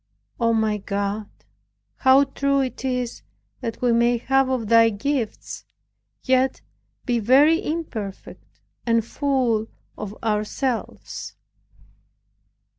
O, my God, how true it is that we may have of Thy gifts, and yet be very imperfect, and full of ourselves!